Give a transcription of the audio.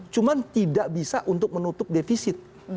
cuma tidak bisa untuk menutup defisit